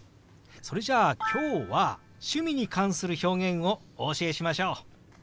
それじゃあ今日は趣味に関する表現をお教えしましょう！